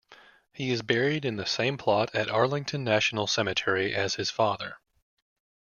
He is buried in the same plot at Arlington National Cemetery as his father.